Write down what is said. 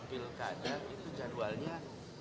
pilkada itu jadwalnya